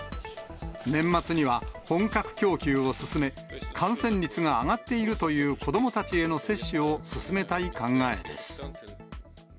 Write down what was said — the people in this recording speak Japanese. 年末には、本格供給を進め、感染率が上がっているという子どもたちへの接種を進めたい考えです。